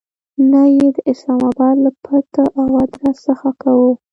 نه یې د اسلام آباد له پته او آدرس څخه کوو.